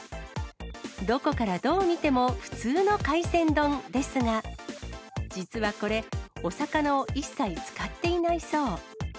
どこからどう見ても普通の海鮮丼ですが、実はこれ、お魚を一切使っていないそう。